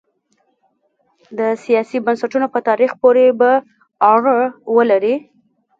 د سیاسي بنسټونو په تاریخ پورې به اړه ولري.